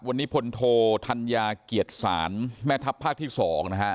วันนี้พลโทธัญญาเกียรติศาลแม่ทัพภาคที่๒นะฮะ